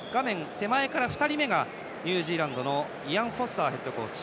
手前から２人目がニュージーランドのイアン・フォスターヘッドコーチ。